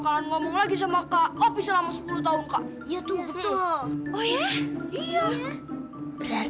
kalian nyakitin aku lah